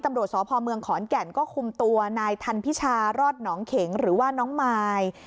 ตำรวจสพเมืองขอนแก่นก็คุมตัวนายทันพิชารอดหนองเข็งหรือว่าน้องมาย